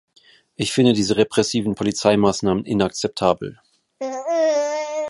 Ich finde diese repressiven Polizeimaßnahmen inakzeptabel!